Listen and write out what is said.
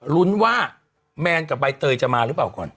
รุ้นว่าแมนกับใบเตยจะมาหรือเปล่าก่อน